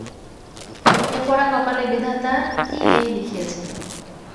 এ পোড়া কপালে বিধাতা কি এই লিখিয়াছিল?